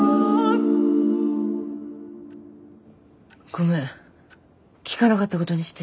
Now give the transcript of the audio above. ごめん聞かなかったことにして。